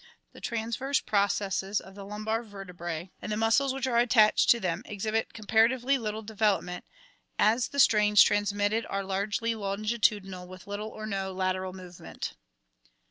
The transverse processes of the lumbar vertebrae and the muscles which are attached to them ex hibit comparatively little development, as the strains transmitted are largely longitudinal with little or no lateral movement.